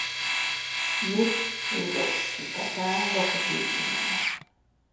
Mit iyduchikata ndog biʼi na.